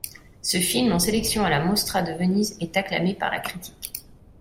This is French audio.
Ce film, en sélection à la Mostra de Venise, est acclamé par la critique.